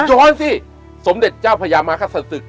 ย้อนสิสมเด็จเจ้าพญามาคศศึก